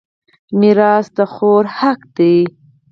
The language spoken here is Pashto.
میراث د خور حق دی.